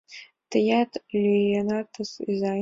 — Тыят лӱенат, изай?